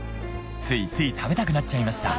ついつい食べたくなっちゃいました